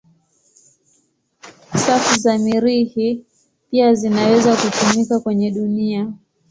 Safu za Mirihi pia zinaweza kutumika kwenye dunia.